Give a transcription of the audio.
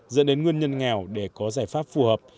dẫn đến nguyên nhân nghèo để có giải pháp phù hợp